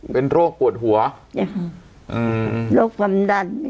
เป็นโรคปวดหัวโรคความดัน